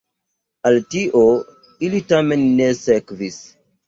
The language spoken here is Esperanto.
Al tio ili tamen ne sekvis.